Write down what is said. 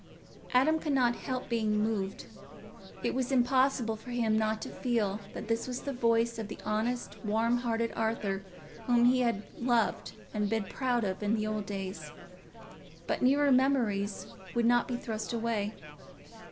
Adam could not help being moved: it was impossible for him not to feel that this was the voice of the honest warm hearted Arthur whom he had loved and been proud of in old days; but nearer memories would not be thrust away.